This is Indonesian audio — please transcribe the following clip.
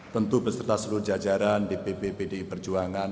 tentu beserta seluruh jajaran di bppdi perjuangan